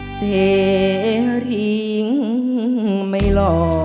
เสียริ้งไม่หล่อ